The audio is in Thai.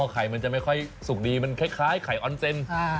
ไข่มันจะไม่ค่อยสุกดีมันคล้ายไข่ออนเซน